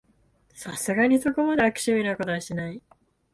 さすがにそこまで悪趣味なことはしない